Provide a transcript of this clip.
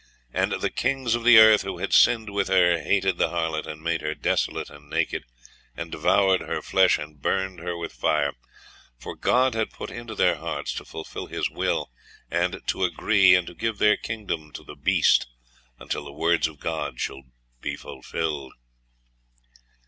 'And the kings of the earth, who had sinned with her, hated the harlot, and made her desolate and naked, and devoured her flesh, and burned her with fire. For God had put into their hearts to fulfil His will, and to agree, and to give their kingdom to the beast, until the words of God should be fulfilled.